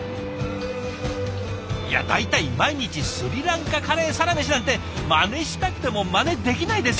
いや大体毎日スリランカカレーサラメシなんてマネしたくてもマネできないです。